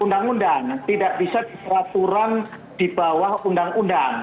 undang undang tidak bisa disaturan di bawah undang undang